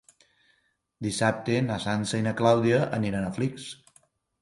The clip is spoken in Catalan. Dissabte na Sança i na Clàudia aniran a Flix.